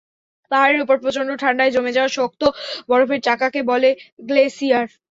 পাহাড়ের ওপর প্রচণ্ড ঠান্ডায় জমে যাওয়া শক্ত বরফের চাকাকে বলে গ্লেসিয়ার।